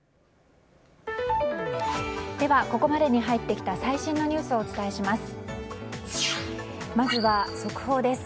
では、ここまでに入ってきた最新のニュースをお伝えします。